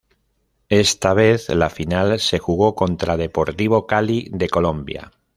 Esta vez la final se jugó contra Deportivo Cali de Colombia.